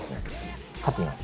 立ってみます？